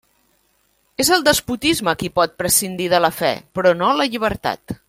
És el despotisme qui pot prescindir de la fe, però no la llibertat.